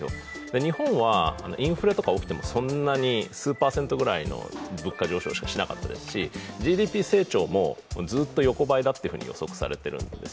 日本はインフレとか起きても数パーセントくらいの上昇しかしなかったしＧＤＰ成長もずっと横ばいだというふうに予想されてるんです。